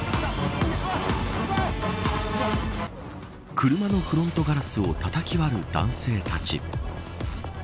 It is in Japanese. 車のフロントガラスをたたき割る男性たち。